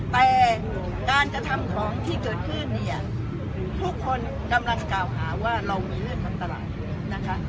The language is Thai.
แต่การกระทำของที่เกิดขึ้นเนี่ยทุกคนกำลังกล่าวหาว่าเรามีเรื่องทำตลาดนะคะ